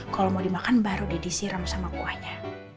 kalo mau dimakan baru di siram sama kuahnya